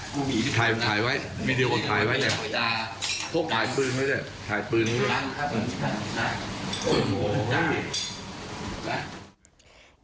ผู้มีถ่ายถ่ายไว้วีดีโอกาสถ่ายไว้พวกถ่ายปืนไว้ด้วยถ่ายปืนไว้ด้วย